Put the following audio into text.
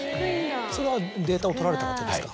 それはデータを取られたわけですか？